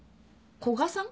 古賀さん？